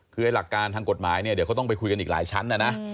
คือไอ้หลักการทางกฎหมายเนี่ยเดี๋ยวเขาต้องไปคุยกันอีกหลายชั้นนะนะ